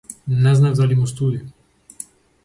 Не знаев дали му студи.